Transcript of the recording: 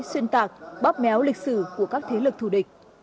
xuyên tạc bóp méo lịch sử của các thế lực thù địch